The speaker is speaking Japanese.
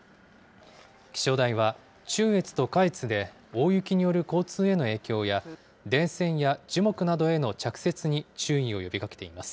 気象台は、中越と下越で大雪による交通への影響や、電線や樹木などへの着雪に注意を呼びかけています。